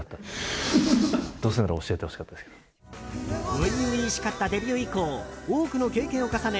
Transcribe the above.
初々しかったデビュー以降多くの経験を重ね